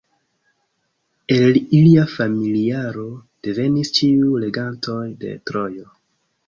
El ilia familiaro devenis ĉiuj regantoj de Trojo.